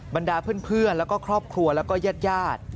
บรรดาเพื่อนแล้วก็ครอบครัวแล้วก็ญาติญาติ